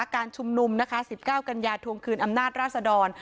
การชุมนุมนะคะ๑๙กันยาทวงคืนอำนาจราศดร